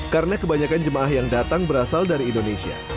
karena kebanyakan jemaah yang datang berasal dari indonesia